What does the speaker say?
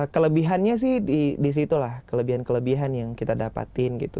kelebihannya sih disitulah kelebihan kelebihan yang kita dapatin gitu